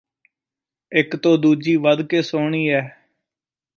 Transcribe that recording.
ਇੱਕ ਤੋਂ ਦੂਜੀ ਵਧਕੇ ਸੁਹਣੀ ਐ